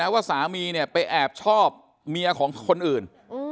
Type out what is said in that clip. ว่าสามีไปแอบชอบเมียของคนอื่น